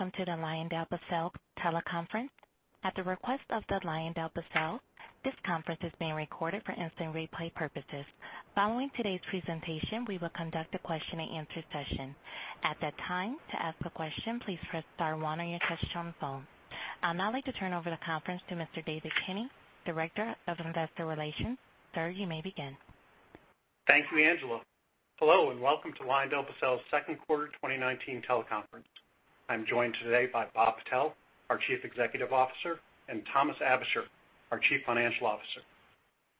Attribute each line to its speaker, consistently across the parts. Speaker 1: Welcome to the LyondellBasell teleconference. At the request of the LyondellBasell, this conference is being recorded for instant replay purposes. Following today's presentation, we will conduct a question and answer session. At that time, to ask a question, please press star one on your touchtone phone. I'd now like to turn over the conference to Mr. David Kinney, Director of Investor Relations. Sir, you may begin.
Speaker 2: Thank you, Angela. Hello, and welcome to LyondellBasell's second quarter 2019 teleconference. I'm joined today by Bob Patel, our Chief Executive Officer, and Thomas Aebischer, our Chief Financial Officer.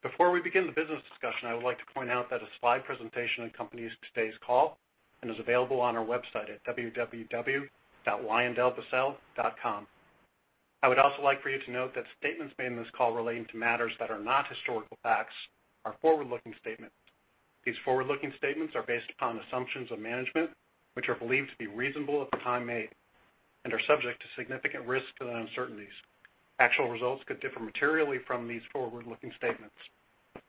Speaker 2: Before we begin the business discussion, I would like to point out that a slide presentation accompanies today's call and is available on our website at www.lyondellbasell.com. I would also like for you to note that statements made in this call relating to matters that are not historical facts are forward-looking statements. These forward-looking statements are based upon assumptions of management, which are believed to be reasonable at the time made and are subject to significant risks and uncertainties. Actual results could differ materially from these forward-looking statements.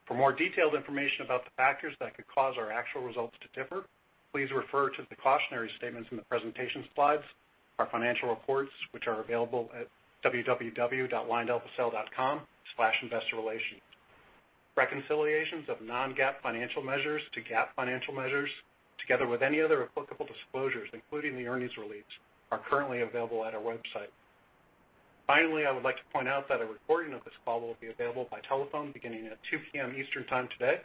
Speaker 2: For more detailed information about the factors that could cause our actual results to differ, please refer to the cautionary statements in the presentation slides, our financial reports, which are available at www.lyondellbasell.com/investorrelations. Reconciliations of non-GAAP financial measures to GAAP financial measures, together with any other applicable disclosures, including the earnings release, are currently available at our website. Finally, I would like to point out that a recording of this call will be available by telephone beginning at 2:00 P.M. Eastern Time today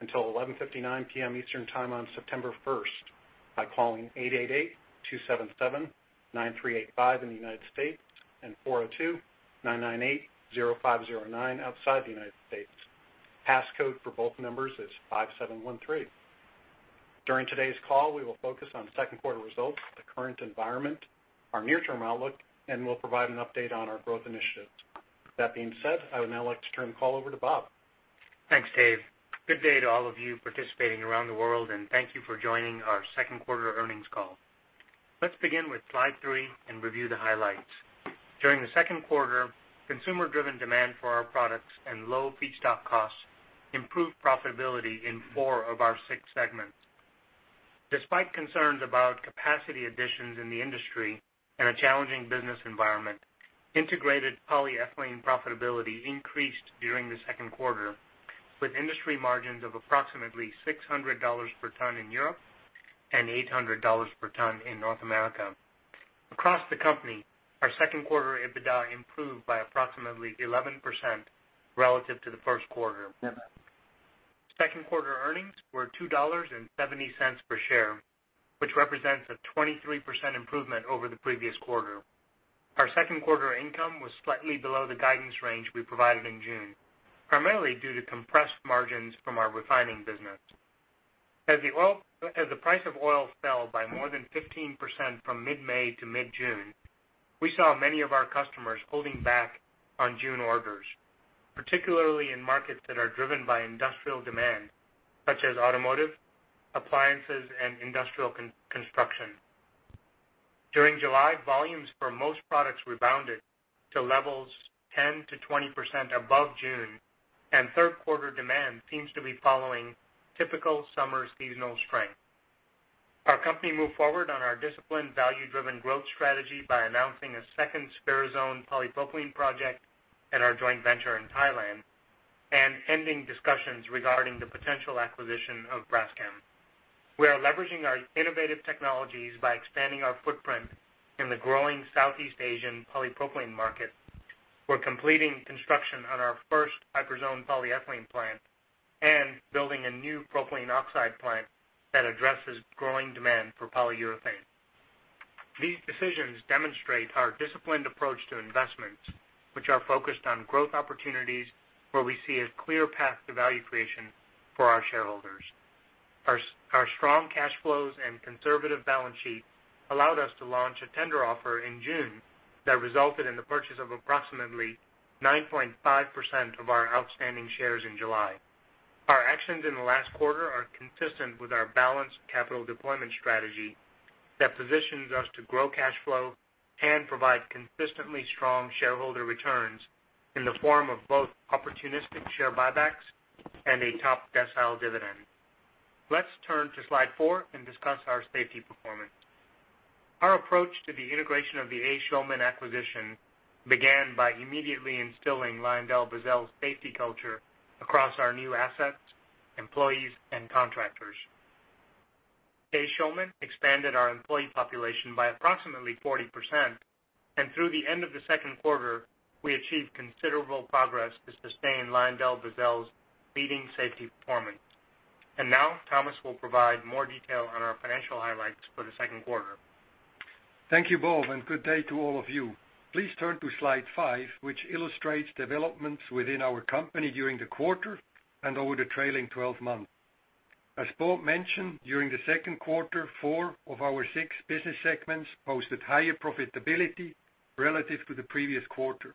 Speaker 2: until 11:59 P.M. Eastern Time on September 1st by calling 888-277-9385 in the U.S. and 402-998-0509 outside the U.S. Passcode for both numbers is 5713. During today's call, we will focus on second quarter results, the current environment, our near-term outlook, and we'll provide an update on our growth initiatives. That being said, I would now like to turn the call over to Bob.
Speaker 3: Thanks, Dave. Good day to all of you participating around the world, and thank you for joining our second quarter earnings call. Let's begin with slide three and review the highlights. During the second quarter, consumer-driven demand for our products and low feedstock costs improved profitability in four of our six segments. Despite concerns about capacity additions in the industry and a challenging business environment, integrated polyethylene profitability increased during the second quarter, with industry margins of approximately $600 per ton in Europe and $800 per ton in North America. Across the company, our second quarter EBITDA improved by approximately 11% relative to the first quarter. Second quarter earnings were $2.70 per share, which represents a 23% improvement over the previous quarter. Our second quarter income was slightly below the guidance range we provided in June, primarily due to compressed margins from our refining business. As the price of oil fell by more than 15% from mid-May to mid-June, we saw many of our customers holding back on June orders, particularly in markets that are driven by industrial demand, such as automotive, appliances, and industrial construction. During July, volumes for most products rebounded to levels 10%-20% above June, and third quarter demand seems to be following typical summer seasonal strength. Our company moved forward on our disciplined, value-driven growth strategy by announcing a second Spherizone polypropylene project at our joint venture in Thailand and ending discussions regarding the potential acquisition of Braskem. We are leveraging our innovative technologies by expanding our footprint in the growing Southeast Asian polypropylene market. We're completing construction on our first HyperZone polyethylene plant and building a new propylene oxide plant that addresses growing demand for polyurethane. These decisions demonstrate our disciplined approach to investments, which are focused on growth opportunities where we see a clear path to value creation for our shareholders. Our strong cash flows and conservative balance sheet allowed us to launch a tender offer in June that resulted in the purchase of approximately 9.5% of our outstanding shares in July. Our actions in the last quarter are consistent with our balanced capital deployment strategy that positions us to grow cash flow and provide consistently strong shareholder returns in the form of both opportunistic share buybacks and a top-decile dividend. Let's turn to slide four and discuss our safety performance. Our approach to the integration of the A. Schulman acquisition began by immediately instilling LyondellBasell's safety culture across our new assets, employees, and contractors. A. Schulman expanded our employee population by approximately 40%, and through the end of the second quarter, we achieved considerable progress to sustain LyondellBasell's leading safety performance. Now Thomas will provide more detail on our financial highlights for the second quarter.
Speaker 4: Thank you, Bob, and good day to all of you. Please turn to slide five, which illustrates developments within our company during the quarter and over the trailing 12 months. As Bob mentioned, during the second quarter, four of our six business segments posted higher profitability relative to the previous quarter.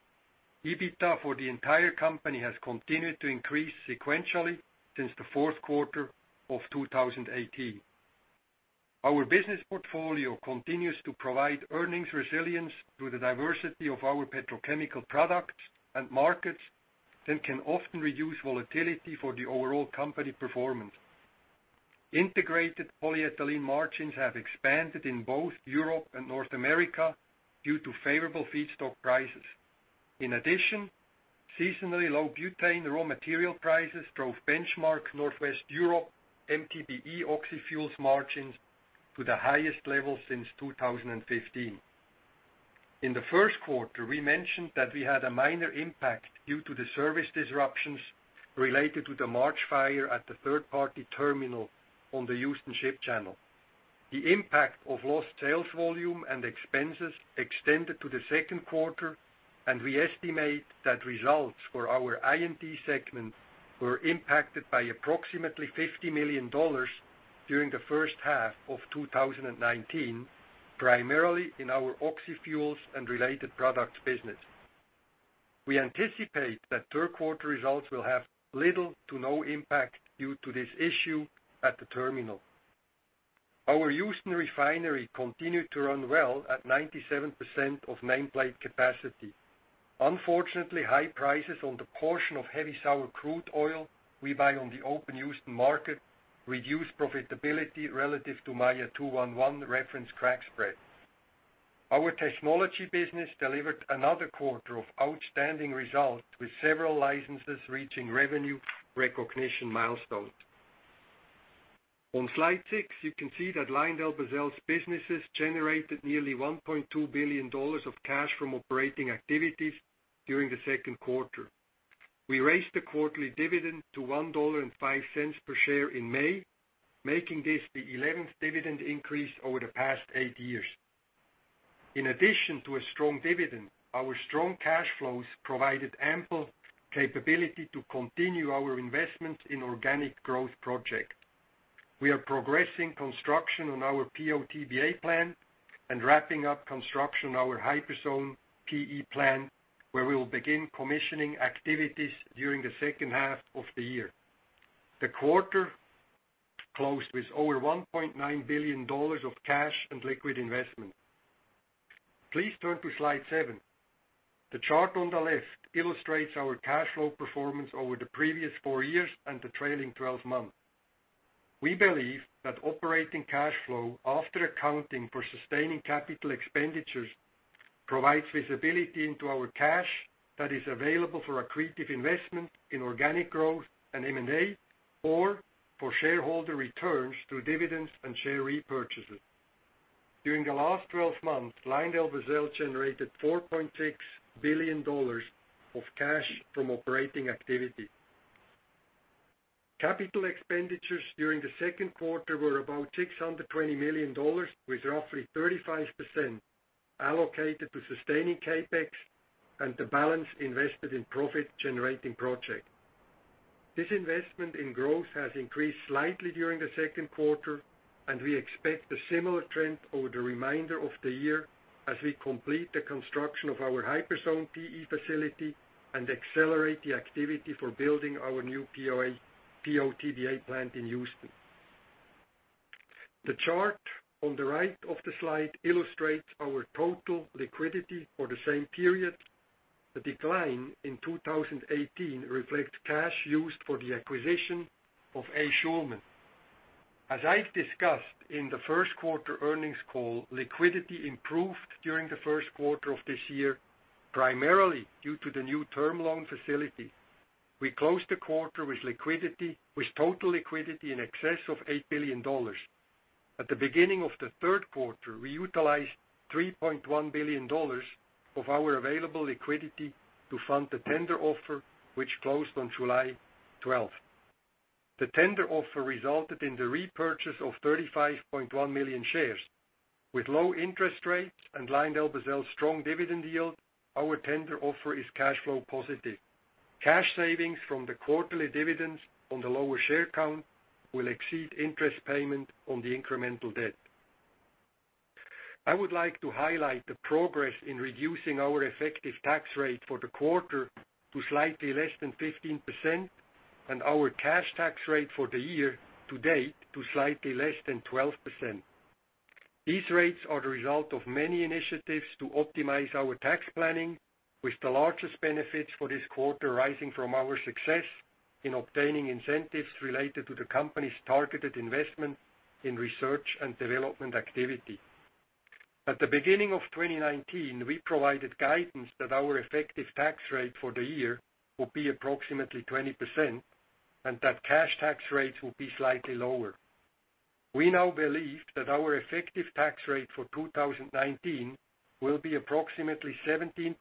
Speaker 4: EBITDA for the entire company has continued to increase sequentially since the fourth quarter of 2018. Our business portfolio continues to provide earnings resilience through the diversity of our petrochemical products and markets that can often reduce volatility for the overall company performance. Integrated polyethylene margins have expanded in both Europe and North America due to favorable feedstock prices. Seasonally low butane raw material prices drove benchmark Northwest Europe MTBE oxy fuels margins to the highest level since 2015. In the first quarter, we mentioned that we had a minor impact due to the service disruptions related to the March fire at the third-party terminal on the Houston Ship Channel. The impact of lost sales volume and expenses extended to the second quarter. We estimate that results for our I&D segment were impacted by approximately $50 million during the first half of 2019, primarily in our oxy fuels and related products business. We anticipate that third quarter results will have little to no impact due to this issue at the terminal. Our Houston refinery continued to run well at 97% of nameplate capacity. Unfortunately, high prices on the portion of heavy sour crude oil we buy on the open Houston market reduced profitability relative to Maya 2-1-1 reference crack spread. Our technology business delivered another quarter of outstanding results, with several licenses reaching revenue recognition milestone. On slide six, you can see that LyondellBasell's businesses generated nearly $1.2 billion of cash from operating activities during the second quarter. We raised the quarterly dividend to $1.05 per share in May, making this the 11th dividend increase over the past eight years. In addition to a strong dividend, our strong cash flows provided ample capability to continue our investments in organic growth project. We are progressing construction on our PO/TBA plant and wrapping up construction on our HyperZone PE plant, where we will begin commissioning activities during the second half of the year. The quarter closed with over $1.9 billion of cash and liquid investment. Please turn to slide seven. The chart on the left illustrates our cash flow performance over the previous four years and the trailing 12 months. We believe that operating cash flow after accounting for sustaining capital expenditures provides visibility into our cash that is available for accretive investment in organic growth and M&A, or for shareholder returns through dividends and share repurchases. During the last 12 months, LyondellBasell generated $4.6 billion of cash from operating activity. Capital expenditures during the second quarter were about $620 million, with roughly 35% allocated to sustaining CapEx and the balance invested in profit-generating project. We expect a similar trend over the remainder of the year as we complete the construction of our HyperZone PE facility and accelerate the activity for building our new PO/TBA plant in Houston. The chart on the right of the slide illustrates our total liquidity for the same period. The decline in 2018 reflects cash used for the acquisition of A. Schulman. As I've discussed in the first quarter earnings call, liquidity improved during the first quarter of this year, primarily due to the new term loan facility. We closed the quarter with total liquidity in excess of $8 billion. At the beginning of the third quarter, we utilized $3.1 billion of our available liquidity to fund the tender offer, which closed on July 12th. The tender offer resulted in the repurchase of 35.1 million shares. With low interest rates and LyondellBasell's strong dividend yield, our tender offer is cash flow positive. Cash savings from the quarterly dividends on the lower share count will exceed interest payment on the incremental debt. I would like to highlight the progress in reducing our effective tax rate for the quarter to slightly less than 15%, and our cash tax rate for the year to date to slightly less than 12%. These rates are the result of many initiatives to optimize our tax planning, with the largest benefits for this quarter rising from our success in obtaining incentives related to the company's targeted investment in research and development activity. At the beginning of 2019, we provided guidance that our effective tax rate for the year will be approximately 20% and that cash tax rates will be slightly lower. We now believe that our effective tax rate for 2019 will be approximately 17%,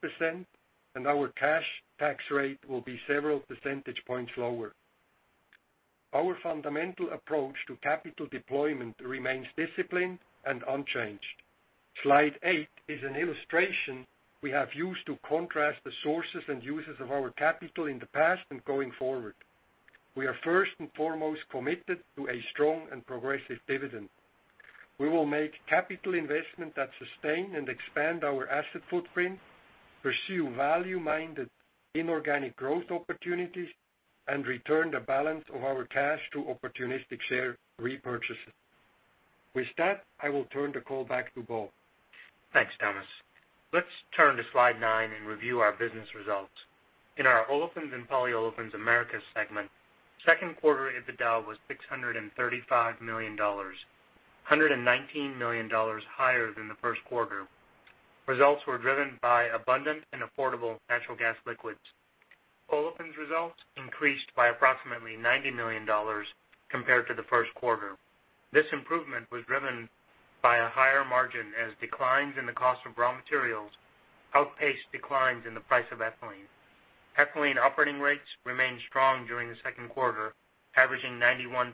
Speaker 4: and our cash tax rate will be several percentage points lower. Our fundamental approach to capital deployment remains disciplined and unchanged. Slide eight is an illustration we have used to contrast the sources and uses of our capital in the past and going forward. We are first and foremost committed to a strong and progressive dividend. We will make capital investment that sustain and expand our asset footprint, pursue value-minded inorganic growth opportunities, and return the balance of our cash to opportunistic share repurchases. With that, I will turn the call back to Bob.
Speaker 3: Thanks, Thomas. Let's turn to slide nine and review our business results. In our Olefins and Polyolefins Americas segment, second quarter EBITDA was $635 million, $119 million higher than the first quarter. Results were driven by abundant and affordable natural gas liquids. Olefins results increased by approximately $90 million compared to the first quarter. This improvement was driven by a higher margin as declines in the cost of raw materials outpaced declines in the price of ethylene. Ethylene operating rates remained strong during the second quarter, averaging 91%,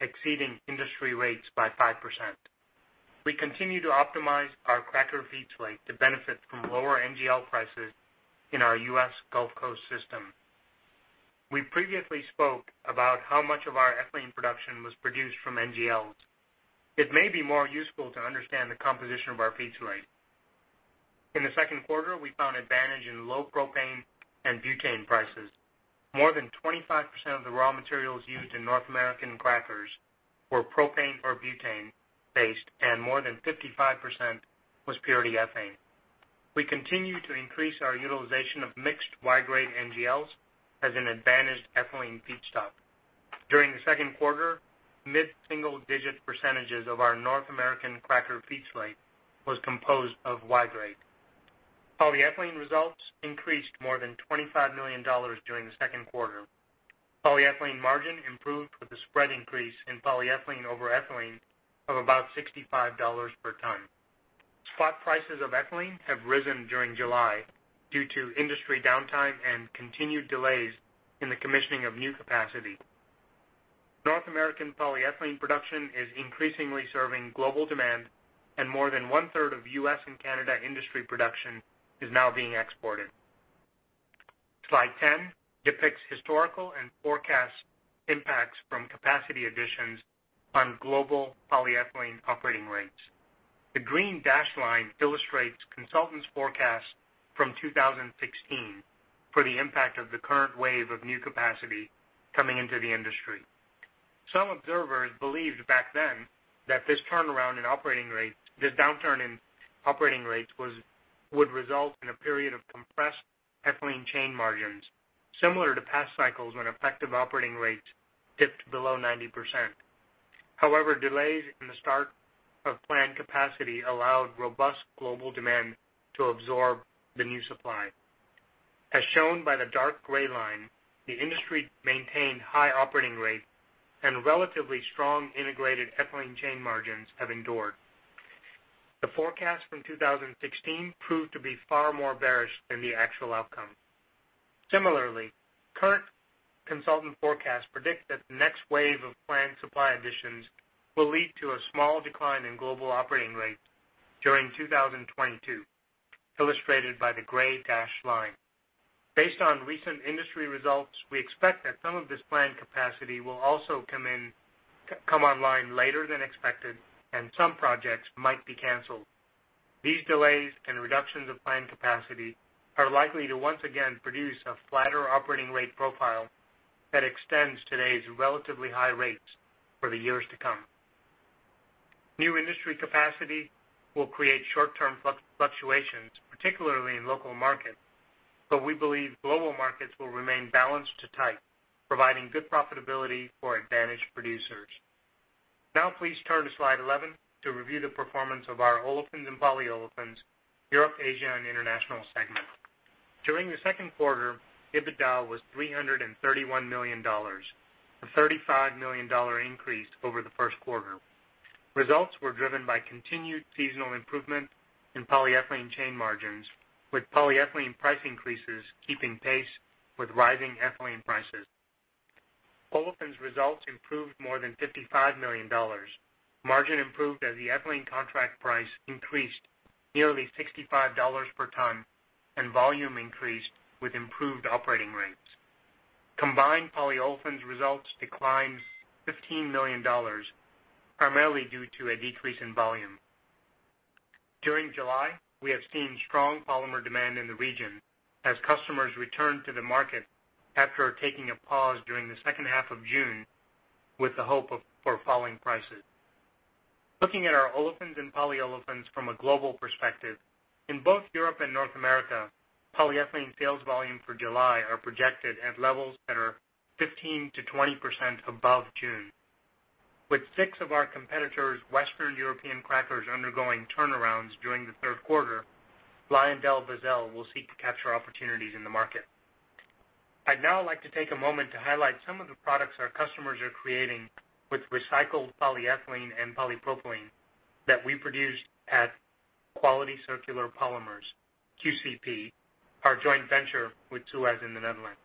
Speaker 3: exceeding industry rates by 5%. We continue to optimize our cracker feed slate to benefit from lower NGL prices in our U.S. Gulf Coast system. We previously spoke about how much of our ethylene production was produced from NGLs. It may be more useful to understand the composition of our feed slate. In the second quarter, we found advantage in low propane and butane prices. More than 25% of the raw materials used in North American crackers were propane or butane-based, and more than 55% was purity ethane. We continue to increase our utilization of mixed Y-grade NGLs as an advantaged ethylene feedstock. During the second quarter, mid-single-digit percentages of our North American cracker feed slate was composed of Y-grade. Polyethylene results increased more than $25 million during the second quarter. Polyethylene margin improved with a spread increase in polyethylene over ethylene of about $65 per ton. Spot prices of ethylene have risen during July due to industry downtime and continued delays in the commissioning of new capacity. North American polyethylene production is increasingly serving global demand, and more than one-third of U.S. and Canada industry production is now being exported. Slide 10 depicts historical and forecast impacts from capacity additions on global polyethylene operating rates. The green dashed line illustrates consultants' forecasts from 2016 for the impact of the current wave of new capacity coming into the industry. Some observers believed back then that this downturn in operating rates would result in a period of compressed ethylene chain margins, similar to past cycles when effective operating rates dipped below 90%. However, delays in the start of planned capacity allowed robust global demand to absorb the new supply. As shown by the dark gray line, the industry maintained high operating rates and relatively strong integrated ethylene chain margins have endured. The forecast from 2016 proved to be far more bearish than the actual outcome. Similarly, current consultant forecasts predict that the next wave of planned supply additions will lead to a small decline in global operating rates during 2022, illustrated by the gray dashed line. Based on recent industry results, we expect that some of this planned capacity will also come online later than expected and some projects might be canceled. These delays and reductions of planned capacity are likely to once again produce a flatter operating rate profile that extends today's relatively high rates for the years to come. New industry capacity will create short-term fluctuations, particularly in local markets, but we believe global markets will remain balanced to tight, providing good profitability for advantaged producers. Please turn to slide 11 to review the performance of our Olefins and Polyolefins Europe, Asia, and International segment. During the second quarter, EBITDA was $331 million, a $35 million increase over the first quarter. Results were driven by continued seasonal improvement in polyethylene chain margins, with polyethylene price increases keeping pace with rising ethylene prices. Olefins results improved more than $55 million. Margin improved as the ethylene contract price increased nearly $65 per ton and volume increased with improved operating rates. Combined polyolefins results declined $15 million, primarily due to a decrease in volume. During July, we have seen strong polymer demand in the region as customers return to the market after taking a pause during the second half of June with the hope for falling prices. Looking at our Olefins and Polyolefins from a global perspective, in both Europe and North America, polyethylene sales volume for July are projected at levels that are 15%-20% above June. With six of our competitors' Western European crackers undergoing turnarounds during the third quarter, LyondellBasell will seek to capture opportunities in the market. I'd now like to take a moment to highlight some of the products our customers are creating with recycled polyethylene and polypropylene that we produce at Quality Circular Polymers, QCP, our joint venture with Suez in the Netherlands.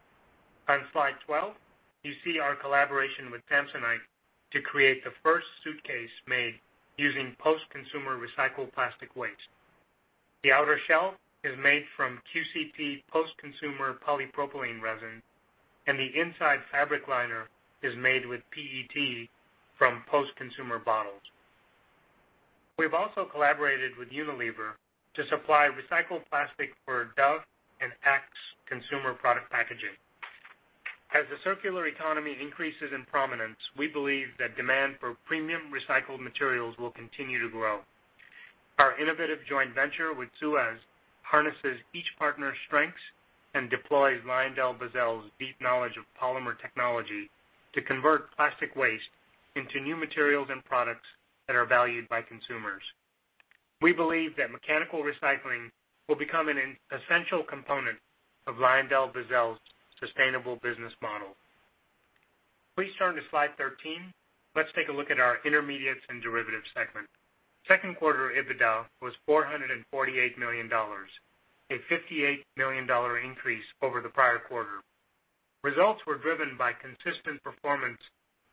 Speaker 3: On slide 12, you see our collaboration with Samsonite to create the first suitcase made using post-consumer recycled plastic waste. The outer shell is made from QCP post-consumer polypropylene resin, and the inside fabric liner is made with PET from post-consumer bottles. We've also collaborated with Unilever to supply recycled plastic for Dove and Axe consumer product packaging. As the circular economy increases in prominence, we believe that demand for premium recycled materials will continue to grow. Our innovative joint venture with Suez harnesses each partner's strengths and deploys LyondellBasell's deep knowledge of polymer technology to convert plastic waste into new materials and products that are valued by consumers. We believe that mechanical recycling will become an essential component of LyondellBasell's sustainable business model. Please turn to slide 13. Let's take a look at our Intermediates and Derivatives segment. Second quarter EBITDA was $448 million, a $58 million increase over the prior quarter. Results were driven by consistent performance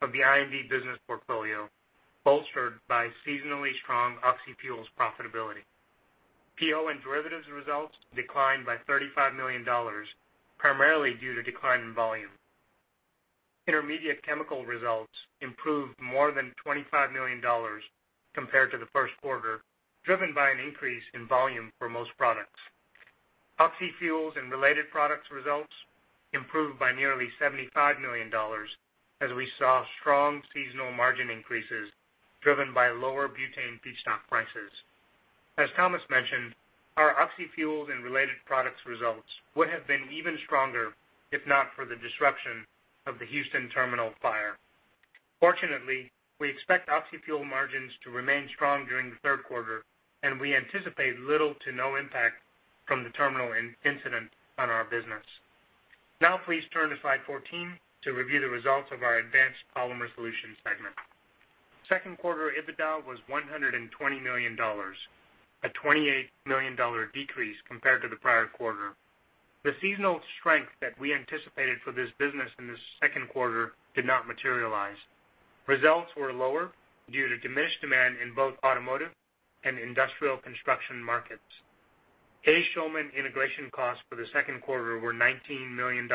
Speaker 3: of the I&D business portfolio, bolstered by seasonally strong oxy fuels profitability. PO and derivatives results declined by $35 million, primarily due to decline in volume. Intermediate chemical results improved more than $25 million compared to the first quarter, driven by an increase in volume for most products. Oxy fuels and related products results improved by nearly $75 million as we saw strong seasonal margin increases driven by lower butane feedstock prices. As Thomas mentioned, our oxy fuels and related products results would have been even stronger if not for the disruption of the Houston terminal fire. Fortunately, we expect oxy fuel margins to remain strong during the third quarter, and we anticipate little to no impact from the terminal incident on our business. Please turn to slide 14 to review the results of our Advanced Polymer Solutions segment. Second quarter EBITDA was $120 million, a $28 million decrease compared to the prior quarter. The seasonal strength that we anticipated for this business in the second quarter did not materialize. Results were lower due to diminished demand in both automotive and industrial construction markets. A. Schulman integration costs for the second quarter were $19 million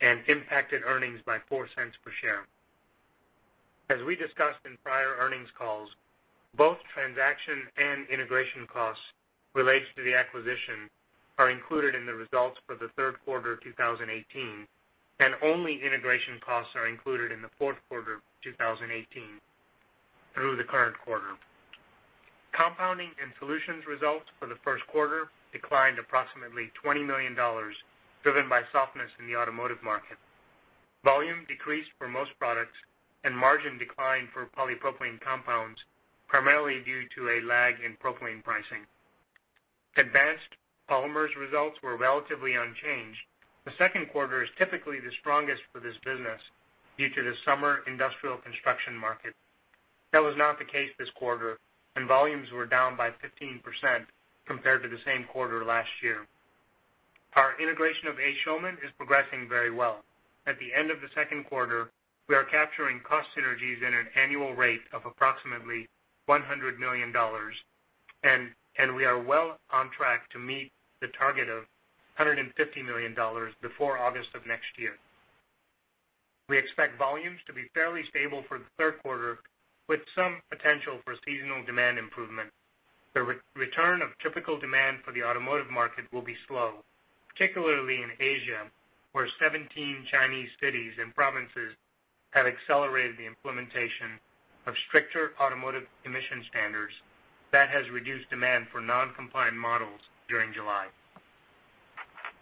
Speaker 3: and impacted earnings by $0.04 per share. As we discussed in prior earnings calls, both transaction and integration costs related to the acquisition are included in the results for the third quarter of 2018, and only integration costs are included in the fourth quarter of 2018 through the current quarter. Compounding and solutions results for the first quarter declined approximately $20 million, driven by softness in the automotive market. Volume decreased for most products, and margin declined for polypropylene compounds, primarily due to a lag in propylene pricing. Advanced Polymers results were relatively unchanged. The second quarter is typically the strongest for this business due to the summer industrial construction market. That was not the case this quarter, and volumes were down by 15% compared to the same quarter last year. Our integration of A. Schulman is progressing very well. At the end of the second quarter, we are capturing cost synergies at an annual rate of approximately $100 million, and we are well on track to meet the target of $150 million before August of next year. We expect volumes to be fairly stable for the third quarter, with some potential for seasonal demand improvement. The return of typical demand for the automotive market will be slow, particularly in Asia, where 17 Chinese cities and provinces have accelerated the implementation of stricter automotive emission standards that has reduced demand for non-compliant models during July.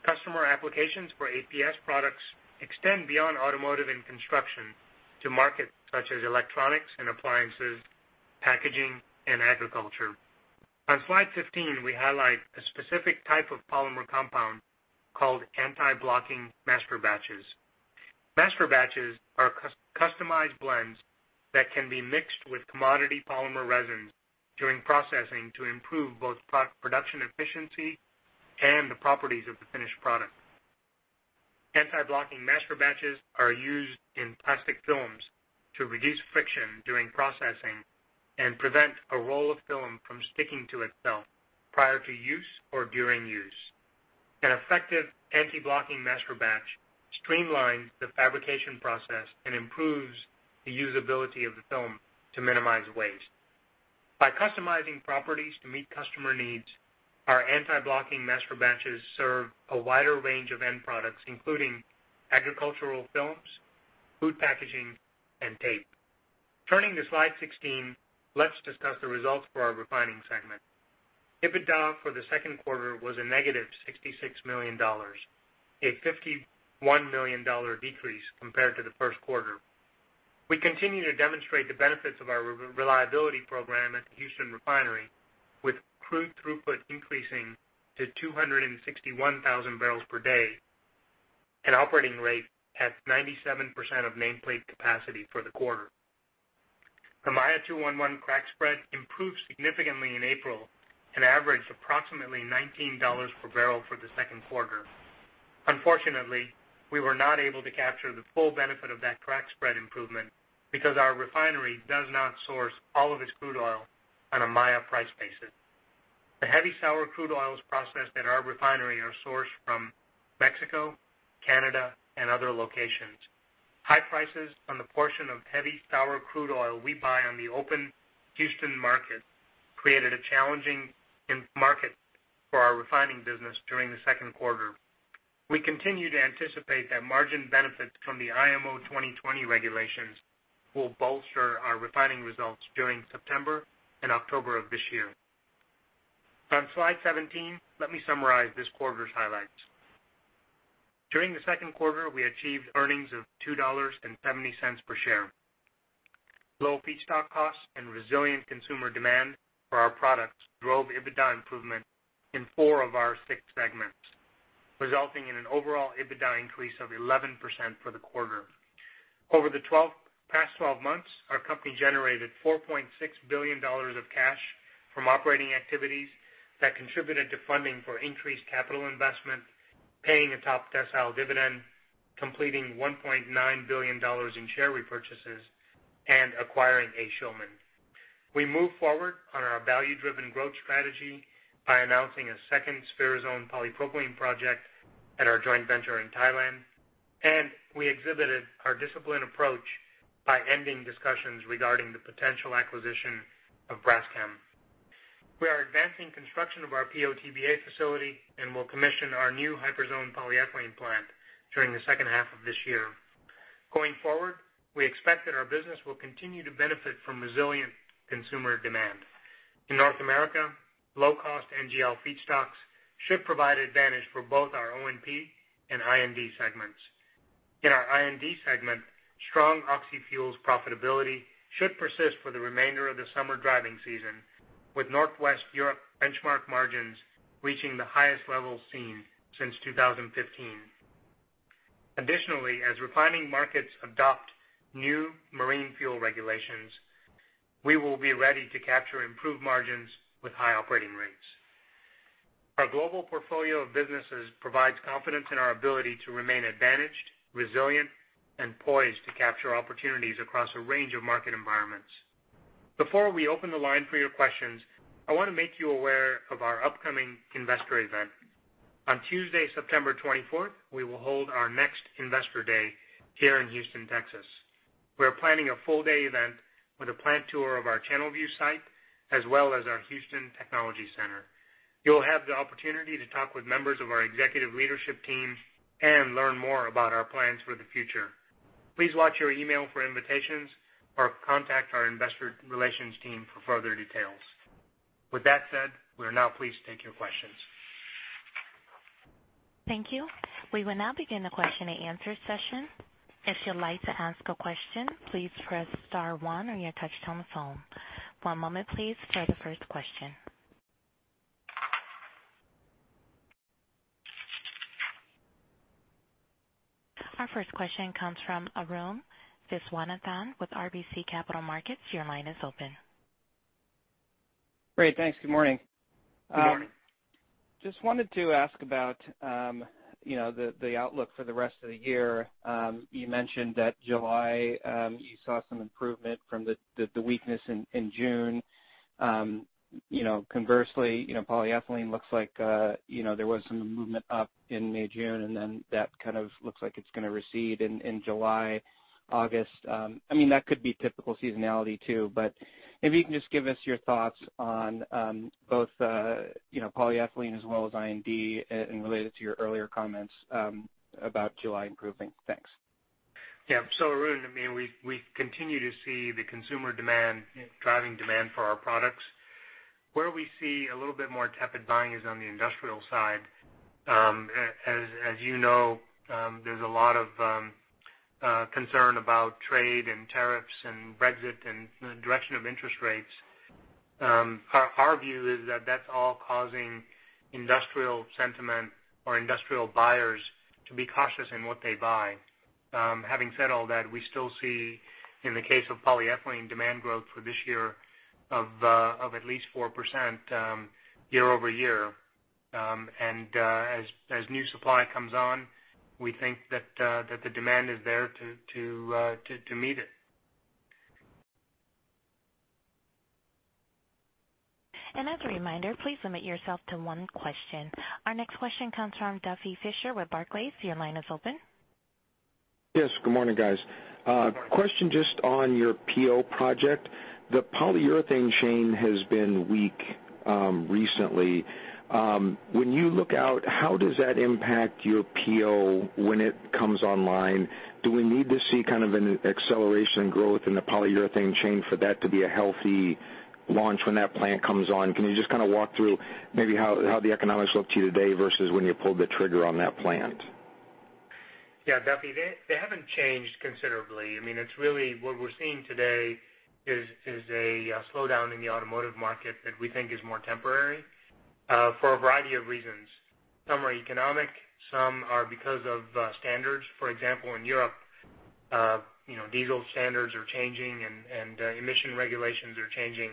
Speaker 3: Customer applications for APS products extend beyond automotive and construction to markets such as electronics and appliances, packaging, and agriculture. On slide 15, we highlight a specific type of polymer compound called anti-blocking masterbatches. Masterbatches are customized blends that can be mixed with commodity polymer resins during processing to improve both production efficiency and the properties of the finished product. Anti-blocking masterbatches are used in plastic films to reduce friction during processing and prevent a roll of film from sticking to itself prior to use or during use. An effective anti-blocking masterbatch streamlines the fabrication process and improves the usability of the film to minimize waste. By customizing properties to meet customer needs, our anti-blocking masterbatches serve a wider range of end products, including agricultural films, food packaging, and tape. Turning to slide 16, let's discuss the results for our refining segment. EBITDA for the second quarter was a negative $66 million, a $51 million decrease compared to the first quarter. We continue to demonstrate the benefits of our reliability program at the Houston refinery, with crude throughput increasing to 261,000 barrels per day, an operating rate at 97% of nameplate capacity for the quarter. The Maya 2-1-1 crack spread improved significantly in April and averaged approximately $19 per barrel for the second quarter. Unfortunately, we were not able to capture the full benefit of that crack spread improvement because our refinery does not source all of its crude oil on a Maya price basis. The heavy sour crude oils processed at our refinery are sourced from Mexico, Canada, and other locations. High prices on the portion of heavy sour crude oil we buy on the open Houston market created a challenging market for our refining business during the second quarter. We continue to anticipate that margin benefits from the IMO 2020 regulations will bolster our refining results during September and October of this year. On slide 17, let me summarize this quarter's highlights. During the second quarter, we achieved earnings of $2.70 per share. Low feedstock costs and resilient consumer demand for our products drove EBITDA improvement in four of our six segments, resulting in an overall EBITDA increase of 11% for the quarter. Over the past 12 months, our company generated $4.6 billion of cash from operating activities that contributed to funding for increased capital investment, paying a top-decile dividend, completing $1.9 billion in share repurchases, and acquiring A. Schulman. We moved forward on our value-driven growth strategy by announcing a second Spherizone polypropylene project at our joint venture in Thailand, and we exhibited our disciplined approach by ending discussions regarding the potential acquisition of Braskem. We are advancing construction of our PO/TBA facility and will commission our new HyperZone PE plant during the second half of this year. Going forward, we expect that our business will continue to benefit from resilient consumer demand. In North America, low-cost NGL feedstocks should provide advantage for both our O&P and I&D segments. In our I&D segment, strong oxyfuels profitability should persist for the remainder of the summer driving season, with Northwest Europe benchmark margins reaching the highest levels seen since 2015. As refining markets adopt new marine fuel regulations, we will be ready to capture improved margins with high operating rates. Our global portfolio of businesses provides confidence in our ability to remain advantaged, resilient, and poised to capture opportunities across a range of market environments. Before we open the line for your questions, I want to make you aware of our upcoming Investor Day. On Tuesday, September 24th, we will hold our next Investor Day here in Houston, Texas. We are planning a full-day event with a plant tour of our Channelview site, as well as our Houston Technology Center. You'll have the opportunity to talk with members of our executive leadership team and learn more about our plans for the future. Please watch your email for invitations or contact our investor relations team for further details. With that said, we are now pleased to take your questions.
Speaker 1: Thank you. We will now begin the question and answer session. If you'd like to ask a question, please press star one on your touchtone phone. One moment please for the first question. Our first question comes from Arun Viswanathan with RBC Capital Markets. Your line is open.
Speaker 5: Great. Thanks. Good morning.
Speaker 3: Good morning.
Speaker 5: Just wanted to ask about the outlook for the rest of the year. You mentioned that July you saw some improvement from the weakness in June. Conversely, polyethylene looks like there was some movement up in May/June, and then that kind of looks like it's going to recede in July, August. That could be typical seasonality too, but if you can just give us your thoughts on both polyethylene as well as I&D and related to your earlier comments about July improving. Thanks.
Speaker 3: Yeah. Arun, we continue to see the consumer demand driving demand for our products. Where we see a little bit more tepid buying is on the industrial side. As you know, there's a lot of concern about trade and tariffs and Brexit and the direction of interest rates. Our view is that that's all causing industrial sentiment or industrial buyers to be cautious in what they buy. Having said all that, we still see, in the case of polyethylene demand growth for this year, of at least 4% year-over-year. As new supply comes on, we think that the demand is there to meet it.
Speaker 1: As a reminder, please limit yourself to one question. Our next question comes from Duffy Fischer with Barclays. Your line is open.
Speaker 6: Yes. Good morning, guys.
Speaker 3: Good morning.
Speaker 6: Question just on your PO project. The polyurethane chain has been weak recently. When you look out, how does that impact your PO when it comes online? Do we need to see kind of an acceleration growth in the polyurethane chain for that to be a healthy launch when that plant comes on? Can you just walk through maybe how the economics look to you today versus when you pulled the trigger on that plant?
Speaker 3: Yeah, Duffy, they haven't changed considerably. What we're seeing today is a slowdown in the automotive market that we think is more temporary for a variety of reasons. Some are economic. Some are because of standards. For example, in Europe, diesel standards are changing and emission regulations are changing.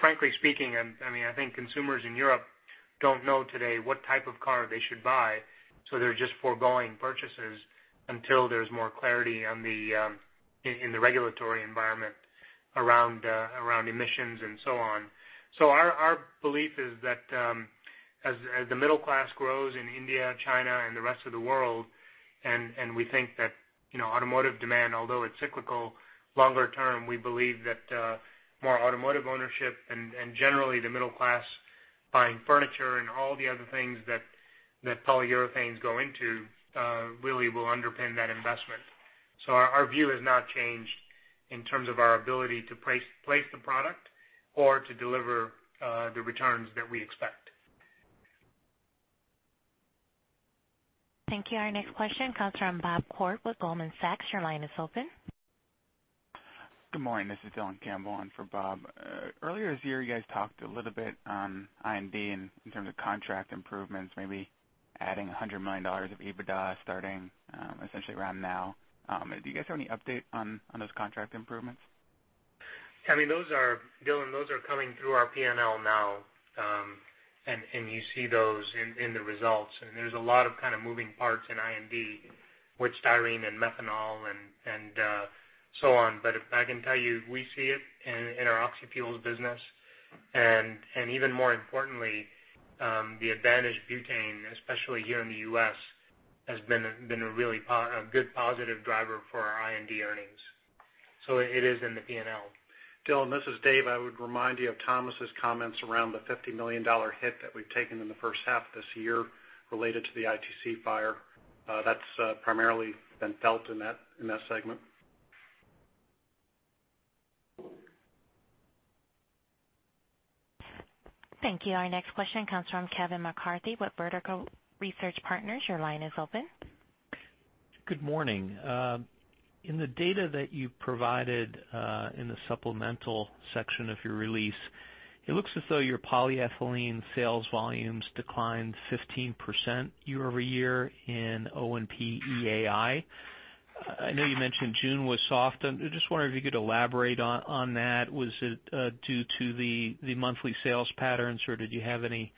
Speaker 3: Frankly speaking, I think consumers in Europe don't know today what type of car they should buy, so they're just foregoing purchases until there's more clarity in the regulatory environment around emissions and so on. Our belief is that as the middle class grows in India, China, and the rest of the world, and we think that automotive demand although it's cyclical, longer term, we believe that more automotive ownership and generally the middle class buying furniture and all the other things that polyurethanes go into, really will underpin that investment. Our view has not changed in terms of our ability to place the product or to deliver the returns that we expect.
Speaker 1: Thank you. Our next question comes from Bob Koort with Goldman Sachs. Your line is open.
Speaker 7: Good morning. This is Dylan Campbell in for Bob. Earlier this year, you guys talked a little bit on I&D in terms of contract improvements, maybe adding $100 million of EBITDA starting essentially around now. Do you guys have any update on those contract improvements?
Speaker 3: I mean, Dylan, those are coming through our P&L now. You see those in the results. There's a lot of kind of moving parts in I&D with styrene and methanol and so on. I can tell you, we see it in our oxy fuels business. Even more importantly, the advantage butane, especially here in the U.S., has been a really good positive driver for our I&D earnings. It is in the P&L.
Speaker 2: Dylan, this is Dave. I would remind you of Thomas's comments around the $50 million hit that we've taken in the first half of this year related to the ITC fire. That's primarily been felt in that segment.
Speaker 1: Thank you. Our next question comes from Kevin McCarthy with Vertical Research Partners. Your line is open.
Speaker 8: Good morning. In the data that you provided in the supplemental section of your release, it looks as though your polyethylene sales volumes declined 15% year-over-year in O&P-EAI. I know you mentioned June was soft. I'm just wondering if you could elaborate on that. Was it due to the monthly sales patterns, or did you have any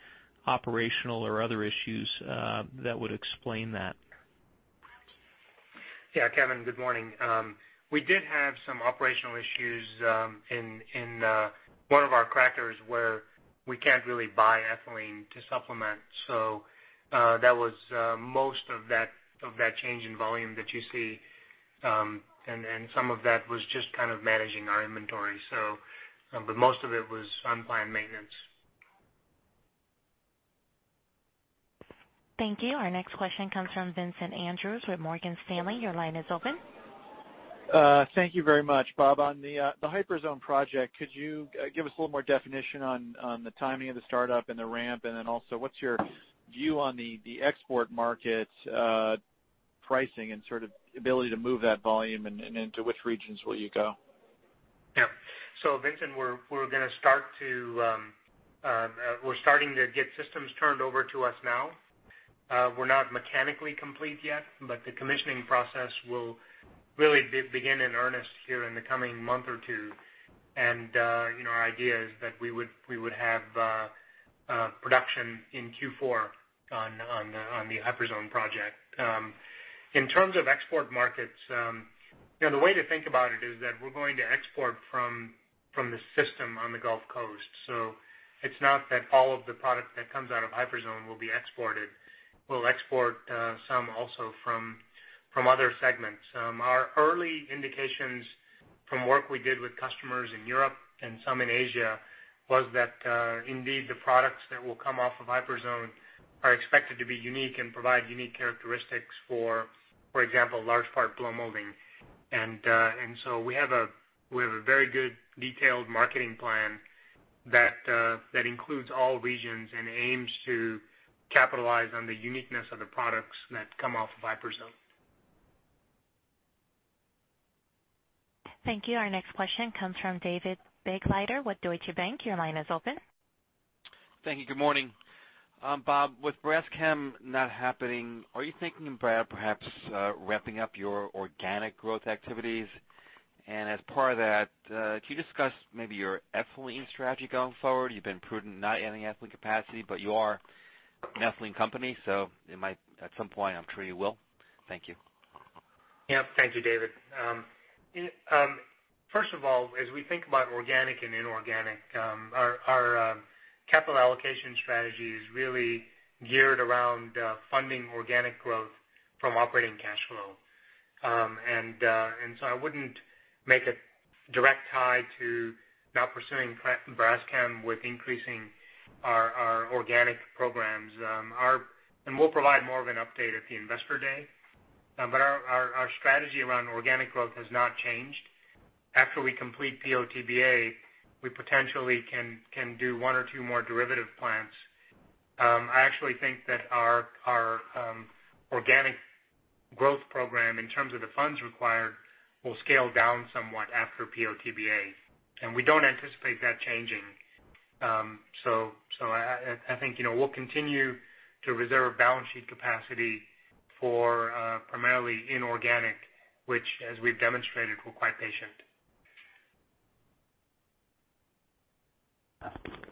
Speaker 8: operational or other issues that would explain that?
Speaker 3: Kevin, good morning. We did have some operational issues in one of our crackers where we can't really buy ethylene to supplement. That was most of that change in volume that you see. Then some of that was just kind of managing our inventory. Most of it was unplanned maintenance.
Speaker 1: Thank you. Our next question comes from Vincent Andrews with Morgan Stanley. Your line is open.
Speaker 9: Thank you very much. Bob, on the HyperZone project, could you give us a little more definition on the timing of the startup and the ramp? Also, what's your view on the export market pricing and sort of ability to move that volume, and into which regions will you go?
Speaker 3: Vincent, we're starting to get systems turned over to us now. We're not mechanically complete yet, but the commissioning process will really begin in earnest here in the coming month or two. Our idea is that we would have production in Q4 on the HyperZone project. In terms of export markets, the way to think about it is that we're going to export from the system on the Gulf Coast. It's not that all of the product that comes out of HyperZone will be exported. We'll export some also from other segments. Our early indications from work we did with customers in Europe and some in Asia was that, indeed, the products that will come off of HyperZone are expected to be unique and provide unique characteristics for example, large part blow molding. We have a very good detailed marketing plan that includes all regions and aims to capitalize on the uniqueness of the products that come off of HyperZone.
Speaker 1: Thank you. Our next question comes from David Begleiter with Deutsche Bank. Your line is open.
Speaker 10: Thank you. Good morning. Bob, with Braskem not happening, are you thinking about perhaps ramping up your organic growth activities? As part of that, could you discuss maybe your ethylene strategy going forward? You've been prudent in not adding ethylene capacity. You are an ethylene company. You might at some point, I'm sure you will. Thank you.
Speaker 3: Yeah. Thank you, David. First of all, as we think about organic and inorganic, our capital allocation strategy is really geared around funding organic growth from operating cash flow. I wouldn't make a direct tie to not pursuing Braskem with increasing our organic programs. We'll provide more of an update at the investor day. Our strategy around organic growth has not changed. After we complete POTBA, we potentially can do one or two more derivative plants. I actually think that our organic growth program, in terms of the funds required, will scale down somewhat after POTBA. We don't anticipate that changing. I think we'll continue to reserve balance sheet capacity for primarily inorganic, which as we've demonstrated, we're quite patient.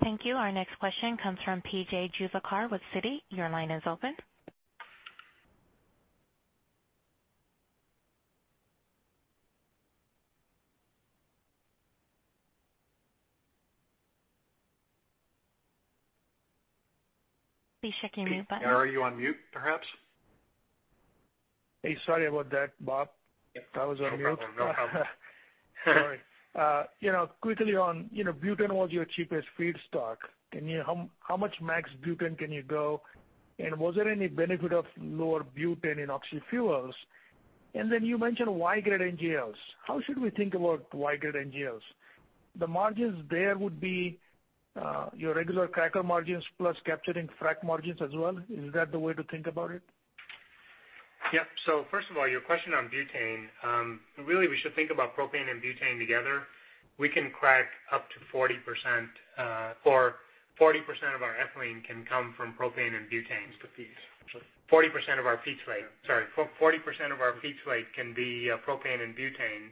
Speaker 1: Thank you. Our next question comes from P.J. Juvekar with Citi. Your line is open. Please check your mute button.
Speaker 3: P.J., are you on mute perhaps?
Speaker 11: Hey, sorry about that, Bob. I was on mute.
Speaker 3: No problem.
Speaker 11: Sorry. Quickly on, butane was your cheapest feedstock. How much max butane can you go? Was there any benefit of lower butane in oxyfuels? You mentioned Y-grade NGLs. How should we think about Y-grade NGLs? The margins there would be your regular cracker margins plus capturing frack margins as well. Is that the way to think about it?
Speaker 3: Yep. First of all, your question on butane. Really, we should think about propane and butane together. We can crack up to 40%, or 40% of our ethylene can come from propane and butane.
Speaker 11: As the feeds, actually.
Speaker 3: 40% of our feed slate can be propane and butane.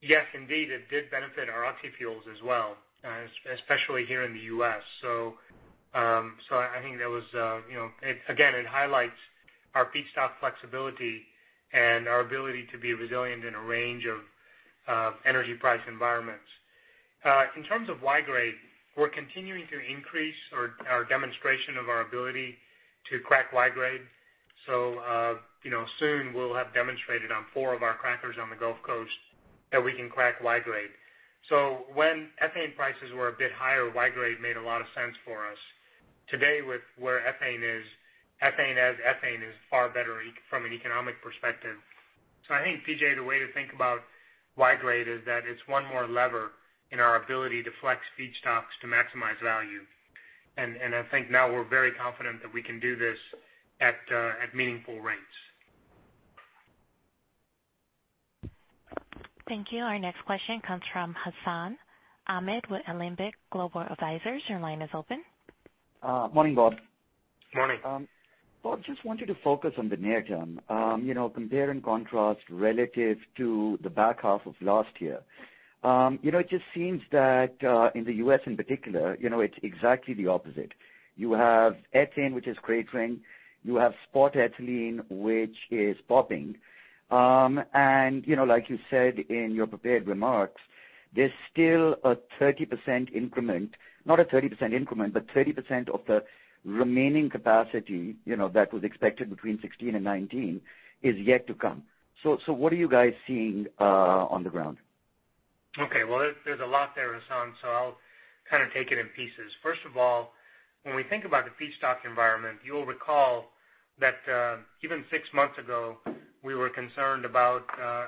Speaker 3: Yes, indeed, it did benefit our oxy fuels as well, especially here in the U.S. I think that again, it highlights our feedstock flexibility and our ability to be resilient in a range of energy price environments. In terms of Y-grade, we're continuing to increase our demonstration of our ability to crack Y-grade. Soon we'll have demonstrated on four of our crackers on the Gulf Coast that we can crack Y-grade. When ethane prices were a bit higher, Y-grade made a lot of sense for us. Today with where ethane is, ethane as ethane is far better from an economic perspective. I think, P.J., the way to think about Y-grade is that it's one more lever in our ability to flex feedstocks to maximize value. I think now we're very confident that we can do this at meaningful rates.
Speaker 1: Thank you. Our next question comes from Hassan Ahmed with Alembic Global Advisors. Your line is open.
Speaker 12: Morning, Bob.
Speaker 3: Morning.
Speaker 12: Bob, just wanted to focus on the near term. Compare and contrast relative to the back half of last year. It just seems that, in the U.S. in particular, it's exactly the opposite. You have ethane, which is cratering, you have spot ethylene, which is popping. Like you said in your prepared remarks, there's still a 30% increment, not a 30% increment, but 30% of the remaining capacity that was expected between 2016 and 2019 is yet to come. What are you guys seeing on the ground?
Speaker 3: Okay. Well, there's a lot there, Hassan. I'll kind of take it in pieces. First of all, when we think about the feedstock environment, you'll recall that even six months ago, we were concerned about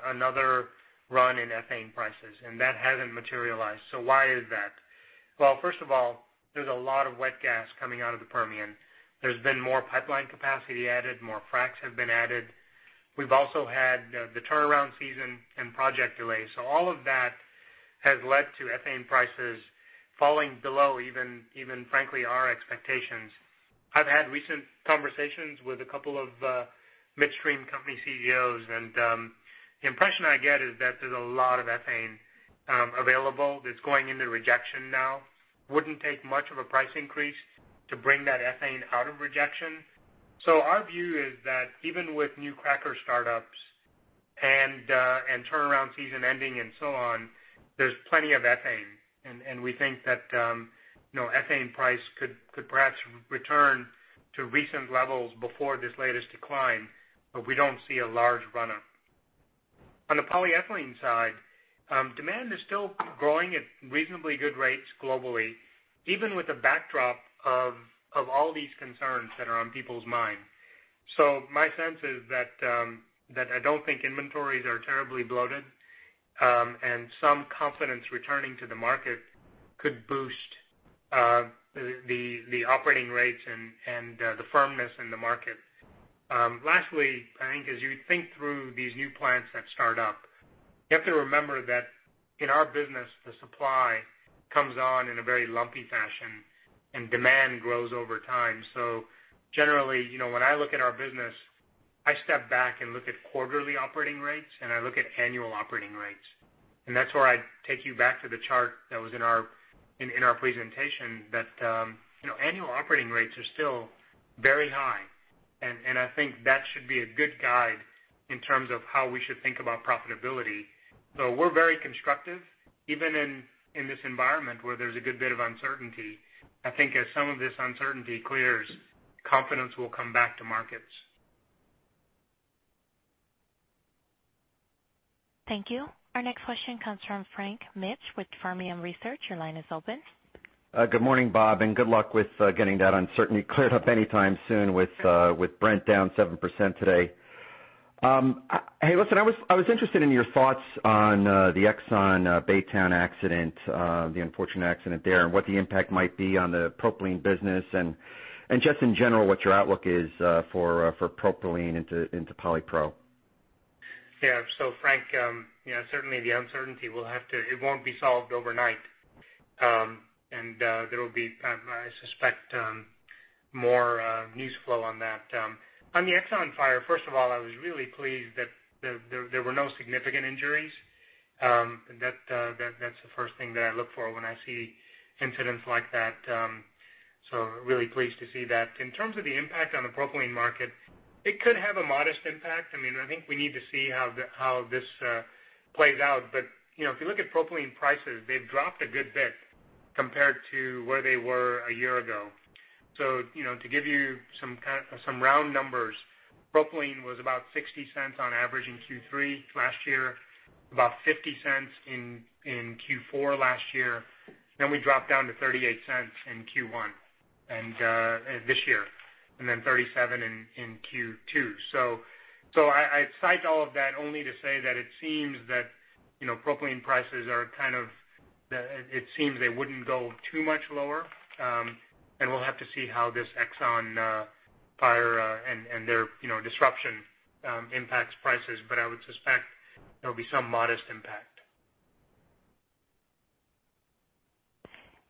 Speaker 3: another run in ethane prices. That hasn't materialized. Why is that? Well, first of all, there's a lot of wet gas coming out of the Permian. There's been more pipeline capacity added, more fracs have been added. We've also had the turnaround season and project delays. All of that has led to ethane prices falling below even frankly, our expectations. I've had recent conversations with a couple of midstream company CEOs. The impression I get is that there's a lot of ethane available that's going into rejection now. Wouldn't take much of a price increase to bring that ethane out of rejection. Our view is that even with new cracker startups and turnaround season ending and so on, there's plenty of ethane. We think that ethane price could perhaps return to recent levels before this latest decline, but we don't see a large runup. On the polyethylene side, demand is still growing at reasonably good rates globally, even with the backdrop of all these concerns that are on people's mind. My sense is that I don't think inventories are terribly bloated. Some confidence returning to the market could boost the operating rates and the firmness in the market. Lastly, I think as you think through these new plants that start up, you have to remember that in our business, the supply comes on in a very lumpy fashion and demand grows over time. Generally, when I look at our business, I step back and look at quarterly operating rates, and I look at annual operating rates. That's where I take you back to the chart that was in our presentation that annual operating rates are still very high, and I think that should be a good guide in terms of how we should think about profitability. We're very constructive even in this environment where there's a good bit of uncertainty. I think as some of this uncertainty clears, confidence will come back to markets.
Speaker 1: Thank you. Our next question comes from Frank Mitsch with Fermium Research. Your line is open.
Speaker 13: Good morning, Bob, and good luck with getting that uncertainty cleared up anytime soon with Brent down 7% today. Hey, listen, I was interested in your thoughts on the ExxonMobil Baytown accident, the unfortunate accident there, and what the impact might be on the propylene business, and just in general, what your outlook is for propylene into polypro.
Speaker 3: Frank, certainly the uncertainty it won't be solved overnight. There will be, I suspect, more news flow on that. On the ExxonMobil fire, first of all, I was really pleased that there were no significant injuries. That's the first thing that I look for when I see incidents like that. Really pleased to see that. In terms of the impact on the propylene market, it could have a modest impact. I think we need to see how this plays out, if you look at propylene prices, they've dropped a good bit compared to where they were a year ago. To give you some round numbers, propylene was about $0.60 on average in Q3 last year, about $0.50 in Q4 last year, we dropped down to $0.38 in Q1 this year, $0.37 in Q2. I cite all of that only to say that it seems that propylene prices It seems they wouldn't go too much lower, and we'll have to see how this ExxonMobil fire and their disruption impacts prices. I would suspect there'll be some modest impact.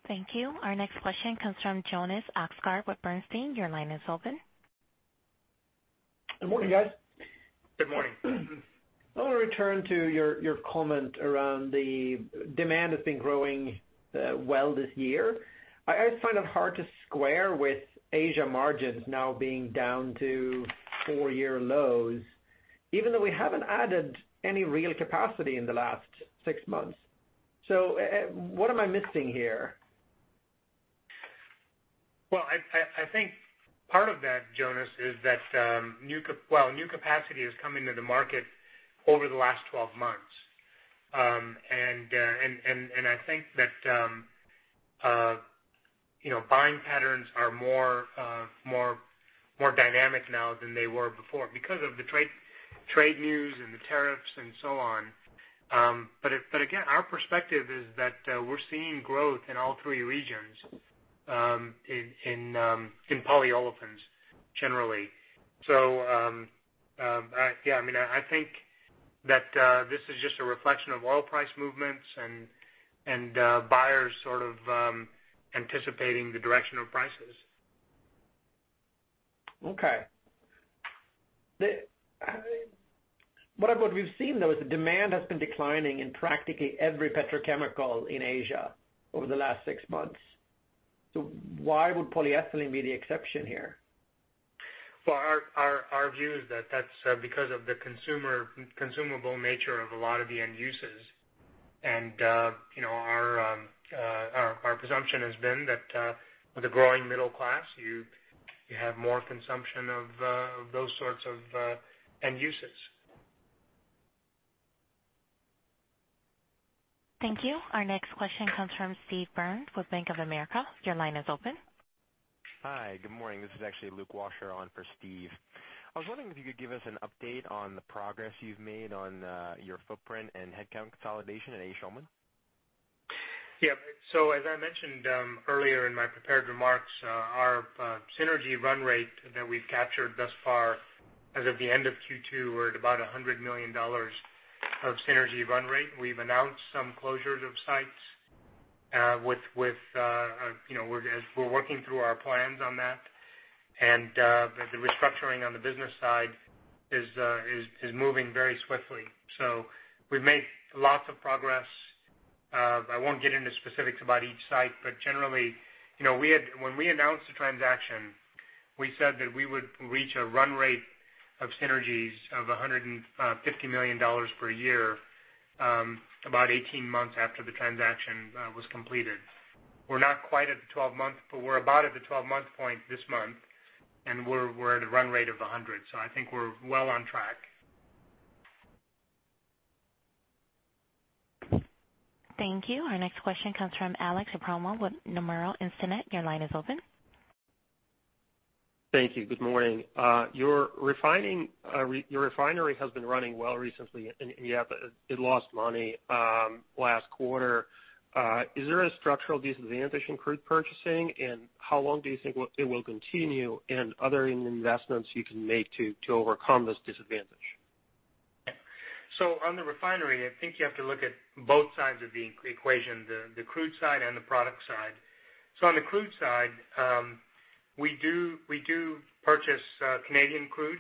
Speaker 1: Thank you. Our next question comes from Jonas Oxgaard with Bernstein. Your line is open.
Speaker 14: Good morning, guys.
Speaker 3: Good morning.
Speaker 14: I want to return to your comment around the demand has been growing well this year. I find it hard to square with Asia margins now being down to four-year lows, even though we haven't added any real capacity in the last six months. What am I missing here?
Speaker 3: Well, I think part of that, Jonas, is that new capacity is coming to the market over the last 12 months. I think that buying patterns are more dynamic now than they were before because of the trade news and the tariffs and so on. Again, our perspective is that we're seeing growth in all three regions in polyolefins generally. I think that this is just a reflection of oil price movements and buyers sort of anticipating the direction of prices.
Speaker 14: Okay. What we've seen, though, is the demand has been declining in practically every petrochemical in Asia over the last six months. Why would polyethylene be the exception here?
Speaker 3: Well, our view is that that's because of the consumable nature of a lot of the end uses. Our presumption has been that with the growing middle class, you have more consumption of those sorts of end uses.
Speaker 1: Thank you. Our next question comes from Steve Byrne with Bank of America. Your line is open.
Speaker 15: Hi, good morning. This is actually Lucas Washer on for Steve. I was wondering if you could give us an update on the progress you've made on your footprint and headcount consolidation at A. Schulman?
Speaker 3: Yeah. As I mentioned earlier in my prepared remarks, our synergy run rate that we've captured thus far, as of the end of Q2, we're at about $100 million of synergy run rate. We've announced some closures of sites. We're working through our plans on that. The restructuring on the business side is moving very swiftly. We've made lots of progress. I won't get into specifics about each site, but generally, when we announced the transaction, we said that we would reach a run rate of synergies of $150 million per year about 18 months after the transaction was completed. We're not quite at the 12-month, but we're about at the 12-month point this month, and we're at a run rate of 100. I think we're well on track.
Speaker 1: Thank you. Our next question comes from Aleksey Yefremov with Nomura Instinet. Your line is open.
Speaker 16: Thank you. Good morning. Your refinery has been running well recently, yet it lost money last quarter. Is there a structural disadvantage in crude purchasing, how long do you think it will continue, other investments you can make to overcome this disadvantage?
Speaker 3: On the refinery, I think you have to look at both sides of the equation, the crude side and the product side. On the crude side, we do purchase Canadian crude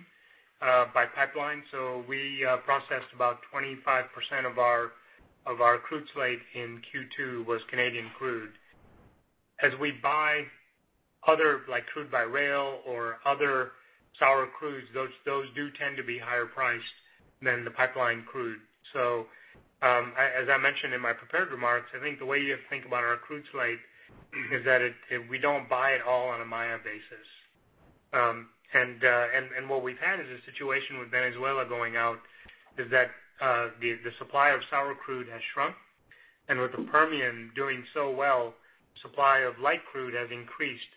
Speaker 3: by pipeline. We processed about 25% of our crude slate in Q2 was Canadian crude. As we buy other crude by rail or other sour crudes, those do tend to be higher priced than the pipeline crude. As I mentioned in my prepared remarks, I think the way you have to think about our crude slate is that we don't buy it all on a Maya basis. What we've had is a situation with Venezuela going out is that the supply of sour crude has shrunk, and with the Permian doing so well, supply of light crude has increased,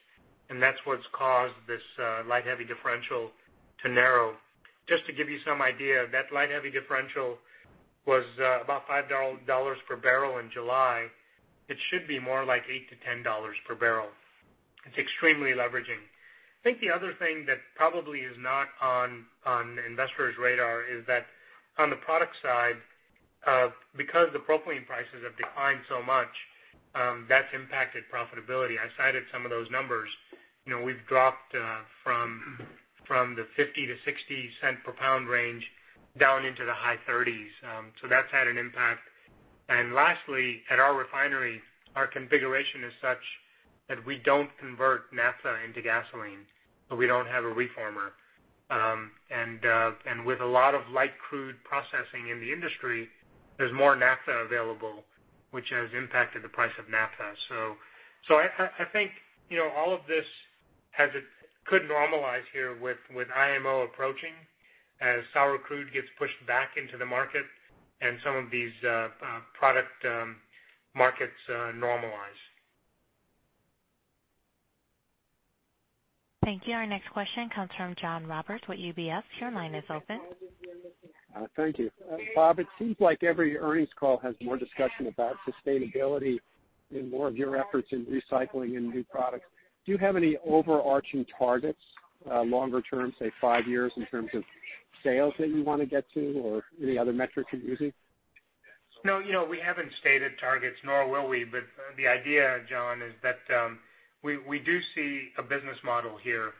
Speaker 3: and that's what's caused this light heavy differential to narrow. Just to give you some idea, that light heavy differential was about $5 per barrel in July. It should be more like $8 to $10 per barrel. It's extremely leveraging. I think the other thing that probably is not on investors' radar is that on the product side, because the propylene prices have declined so much, that's impacted profitability. I cited some of those numbers. We've dropped from the $0.50 to $0.60 per pound range down into the $0.30s. Lastly, at our refinery, our configuration is such that we don't convert naphtha into gasoline, but we don't have a reformer. With a lot of light crude processing in the industry, there's more naphtha available, which has impacted the price of naphtha. I think all of this could normalize here with IMO approaching as sour crude gets pushed back into the market and some of these product markets normalize.
Speaker 1: Thank you. Our next question comes from John Roberts with UBS. Your line is open.
Speaker 17: Thank you. Bob, it seems like every earnings call has more discussion about sustainability in more of your efforts in recycling and new products. Do you have any overarching targets longer term, say, five years, in terms of sales that you want to get to or any other metrics you're using?
Speaker 3: No, we haven't stated targets, nor will we. The idea, John, is that we do see a business model here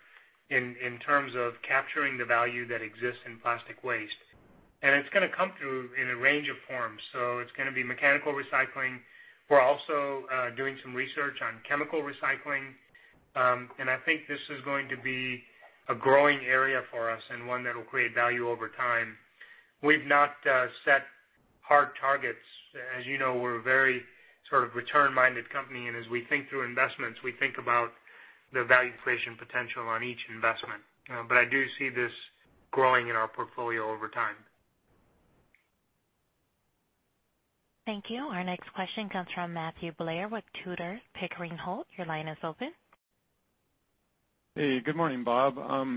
Speaker 3: in terms of capturing the value that exists in plastic waste. It's going to come through in a range of forms. It's going to be mechanical recycling. We're also doing some research on chemical recycling. I think this is going to be a growing area for us and one that will create value over time. We've not set hard targets. As you know, we're a very sort of return-minded company, and as we think through investments, we think about the value creation potential on each investment. I do see this growing in our portfolio over time.
Speaker 1: Thank you. Our next question comes from Matthew Blair with Tudor, Pickering, Holt & Co. Your line is open.
Speaker 18: Hey, good morning, Bob.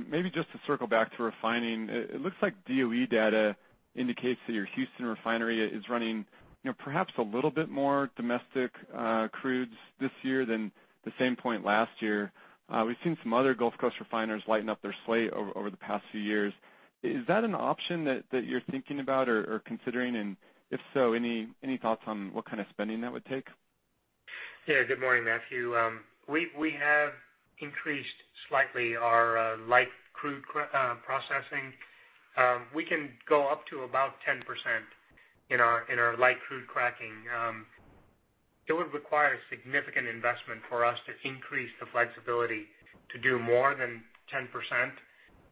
Speaker 18: Maybe just to circle back to refining. It looks like DOE data indicates that your Houston refinery is running perhaps a little bit more domestic crudes this year than the same point last year. We've seen some other Gulf Coast refiners lighten up their slate over the past few years. Is that an option that you're thinking about or considering? If so, any thoughts on what kind of spending that would take?
Speaker 3: Good morning, Matthew. We have increased slightly our light crude processing. We can go up to about 10% in our light crude cracking. It would require significant investment for us to increase the flexibility to do more than 10%,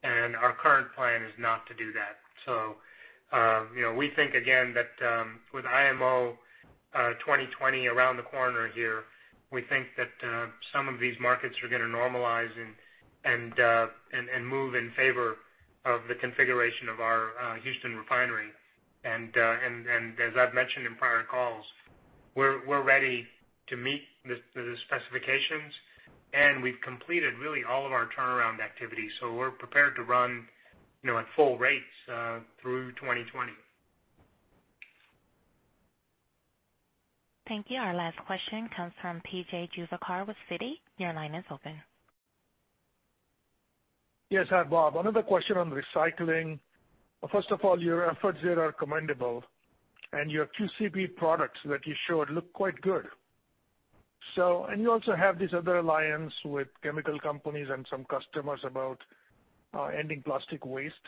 Speaker 3: and our current plan is not to do that. We think, again, that with IMO 2020 around the corner here, we think that some of these markets are going to normalize and move in favor of the configuration of our Houston refinery. As I've mentioned in prior calls, we're ready to meet the specifications, and we've completed really all of our turnaround activities. We're prepared to run at full rates through 2020.
Speaker 1: Thank you. Our last question comes from P.J. Juvekar with Citi. Your line is open.
Speaker 11: Yes. Hi, Bob. Another question on recycling. First of all, your efforts there are commendable. Your QCP products that you showed look quite good. You also have this other Alliance to End Plastic Waste.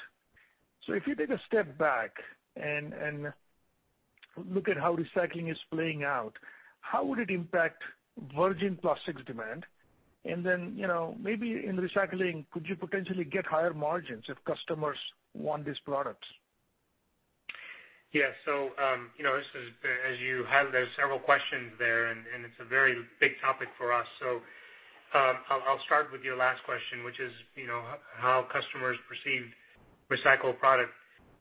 Speaker 11: If you take a step back and look at how recycling is playing out, how would it impact virgin plastics demand? Maybe in recycling, could you potentially get higher margins if customers want these products?
Speaker 3: Yeah. There's several questions there, and it's a very big topic for us. I'll start with your last question, which is how customers perceive recycled product.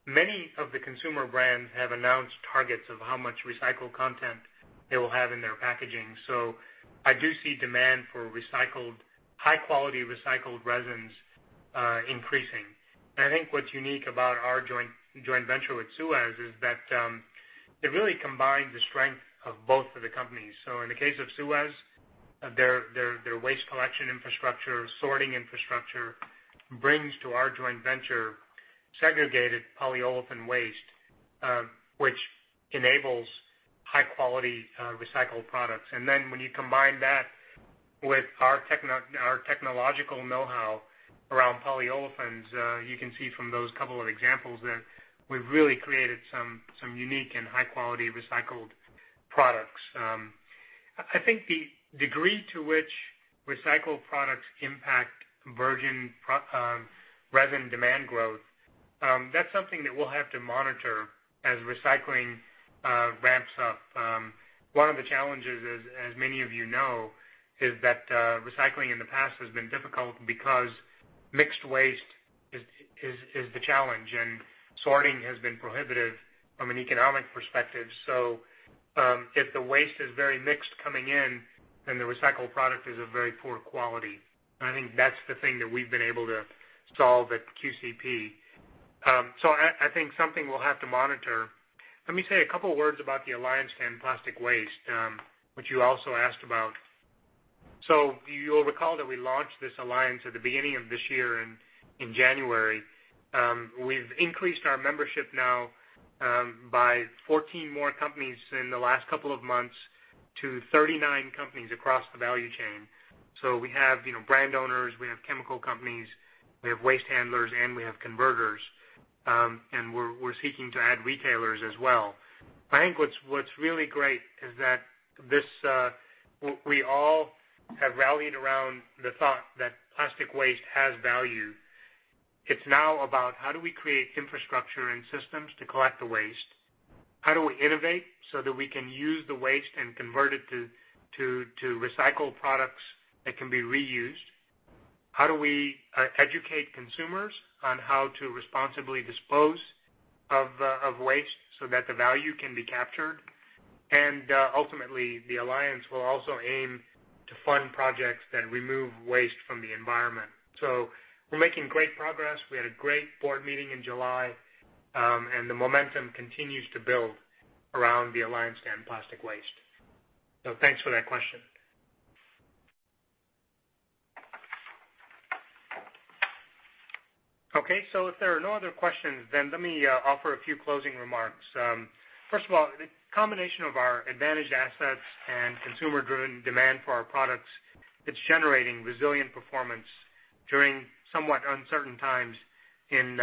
Speaker 3: Many of the consumer brands have announced targets of how much recycled content they will have in their packaging. I do see demand for high-quality recycled resins increasing. I think what's unique about our joint venture with Suez is that it really combined the strength of both of the companies. In the case of Suez, their waste collection infrastructure, sorting infrastructure, brings to our joint venture segregated polyolefin waste, which enables high-quality recycled products. When you combine that with our technological know-how around polyolefins, you can see from those couple of examples that we've really created some unique and high-quality recycled products. I think the degree to which recycled products impact virgin resin demand growth, that's something that we'll have to monitor as recycling ramps up. One of the challenges is, as many of you know, is that recycling in the past has been difficult because mixed waste is the challenge, and sorting has been prohibitive from an economic perspective. If the waste is very mixed coming in, then the recycled product is of very poor quality. I think that's the thing that we've been able to solve at QCP. I think something we'll have to monitor. Let me say a couple words about the Alliance to End Plastic Waste, which you also asked about. You'll recall that we launched this alliance at the beginning of this year in January. We've increased our membership now by 14 more companies in the last couple of months to 39 companies across the value chain. We have brand owners, we have chemical companies, we have waste handlers, and we have converters. We're seeking to add retailers as well. I think what's really great is that we all have rallied around the thought that plastic waste has value. It's now about how do we create infrastructure and systems to collect the waste? How do we innovate so that we can use the waste and convert it to recycled products that can be reused? How do we educate consumers on how to responsibly dispose of waste so that the value can be captured? Ultimately, the Alliance will also aim to fund projects that remove waste from the environment. We're making great progress. We had a great board meeting in July, and the momentum continues to build around the Alliance to End Plastic Waste. Thanks for that question. If there are no other questions, then let me offer a few closing remarks. First of all, the combination of our advantaged assets and consumer-driven demand for our products, it's generating resilient performance during somewhat uncertain times in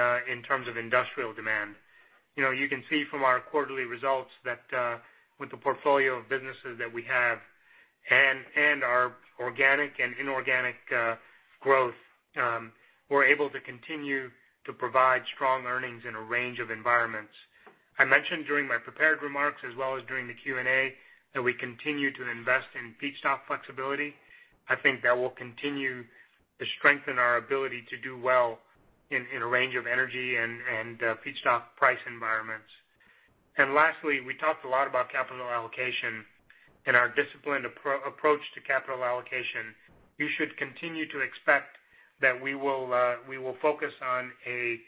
Speaker 3: terms of industrial demand. You can see from our quarterly results that with the portfolio of businesses that we have and our organic and inorganic growth, we're able to continue to provide strong earnings in a range of environments. I mentioned during my prepared remarks as well as during the Q&A, that we continue to invest in feedstock flexibility. I think that will continue to strengthen our ability to do well in a range of energy and feedstock price environments. Lastly, we talked a lot about capital allocation and our disciplined approach to capital allocation. You should continue to expect that we will focus on a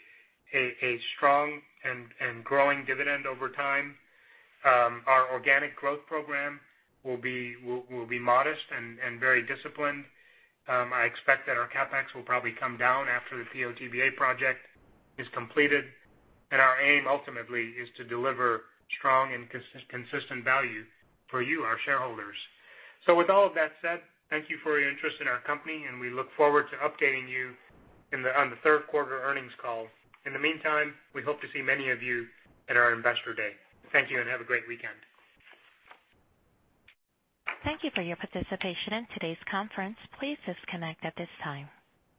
Speaker 3: strong and growing dividend over time. Our organic growth program will be modest and very disciplined. I expect that our CapEx will probably come down after the PO/TBA project is completed, and our aim ultimately is to deliver strong and consistent value for you, our shareholders. With all of that said, thank you for your interest in our company, and we look forward to updating you on the third quarter earnings call. In the meantime, we hope to see many of you at our Investor Day. Thank you and have a great weekend.
Speaker 1: Thank you for your participation in today's conference. Please disconnect at this time.